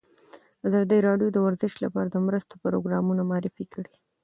ازادي راډیو د ورزش لپاره د مرستو پروګرامونه معرفي کړي.